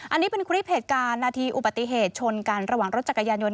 อันนี้เป็นคลิปเหตุการณ์นาทีอุบัติเหตุชนกันระหว่างรถจักรยานยนต